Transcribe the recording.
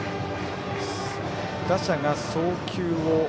打者が送球を。